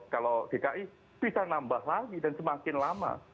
kalau dki bisa nambah lagi dan semakin lama